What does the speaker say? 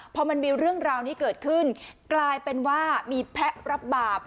พอมันมีเรื่องราวนี้เกิดขึ้นกลายเป็นว่ามีแพะรับบาป